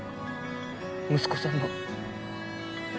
息子さんの